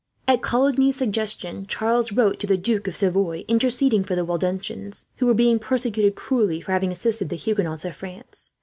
At Coligny's suggestion, Charles wrote to the Duke of Savoy interceding for the Waldenses, who were being persecuted cruelly for having assisted the Huguenots of France.